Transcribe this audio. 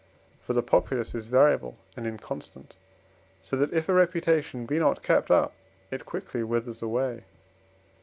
For the populace is variable and inconstant, so that, if a reputation be not kept up, it quickly withers away.